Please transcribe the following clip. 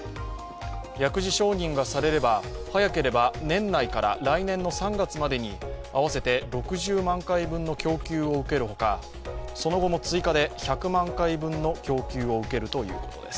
薬事承認がされれば早ければ年内から来年の３月までに合わせて６０万回分の供給を受けるほかその後も追加で１００万回分の供給を受けるということです。